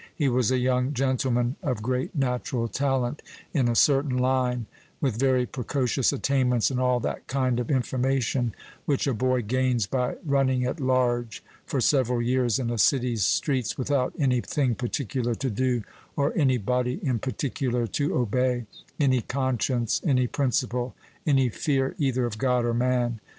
He was a young gentleman of great natural talent, in a certain line, with very precocious attainments in all that kind of information which a boy gains by running at large for several years in a city's streets without any thing particular to do, or any body in particular to obey any conscience, any principle, any fear either of God or man.